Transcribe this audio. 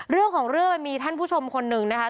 เรื่องของเรื่องมันมีท่านผู้ชมคนหนึ่งนะคะ